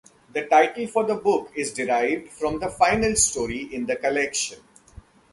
The title for the book is derived from the final story in the collection.